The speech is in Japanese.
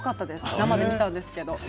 生で見たんですけど。